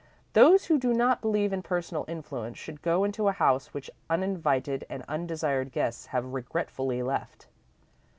Those who do not believe in personal influence should go into a house which uninvited and undesired guests have regretfully left.